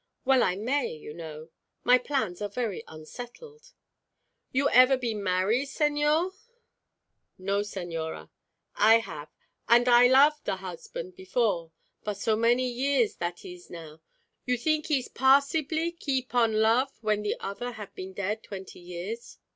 "Well, I may, you know; my plans are very unsettled." "You ever been marry, señor?" "No, señora." "I have; and I love the husband, before; but so many years that ees now. You think ees possiblee keep on love when the other have been dead twenty years?"